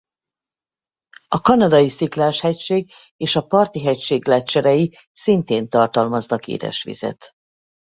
A kanadai Sziklás-hegység és a Parti-hegység gleccserei szintén tartalmaznak édesvizet.